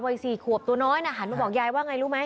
ไว้สี่ขวบตัวน้อยนะหาหนูบอกยายว่าอย่างไรรู้ไหม